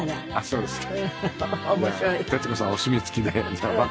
そうですか。